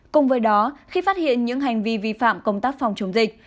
cùng với đó khi phát hiện những hành vi vi phạm công tác phòng chống dịch